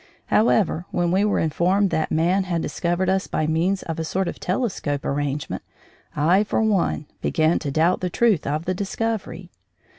However, when we were informed that man had discovered us by means of a sort of telescope arrangement, I, for one, began to doubt the truth of the discovery.